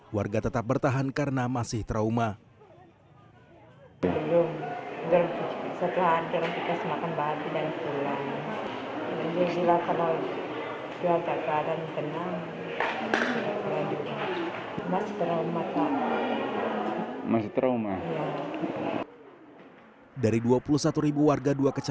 warga tetap bertahan karena masih trauma